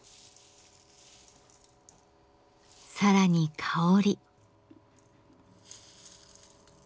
更に香り。